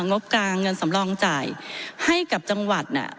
งบกลางเงินสำรองจ่ายให้กับจังหวัดน่ะ